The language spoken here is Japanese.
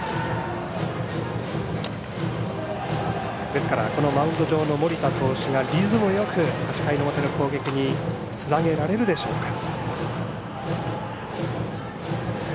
ですからマウンド上の森田投手がリズムよく８回の表の攻撃につなげられるでしょうか。